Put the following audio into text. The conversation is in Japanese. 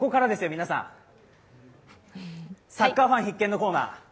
皆さんサッカーファン必見のコーナー。